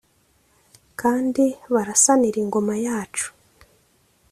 kandi barasanire ingoma yacu